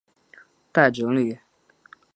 待整理